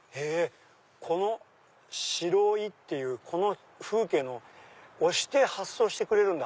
この白井っていうこの風景のを押して発送してくれるんだ。